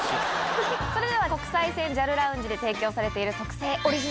それでは国際線ＪＡＬラウンジで提供されている。